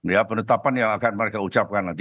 ya penetapan yang akan mereka ucapkan nanti